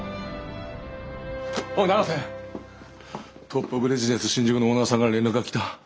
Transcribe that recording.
トップオブレジデンス新宿のオーナーさんから連絡が来た。